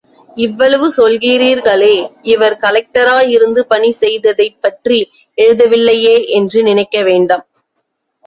இவ்வளவு சொல்கிறீர்களே, இவர் கலெக்டராக இருந்து பணி செய்ததைப் பற்றி எழுதவில்லையே என்று நினைக்க வேண்டாம்.